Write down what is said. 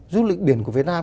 du lịch biển của việt nam